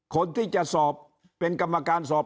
คนที่จะสอบเป็นกรรมการสอบ